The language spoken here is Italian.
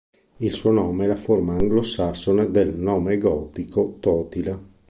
Il suo nome è la forma anglosassone del nome gotico Totila.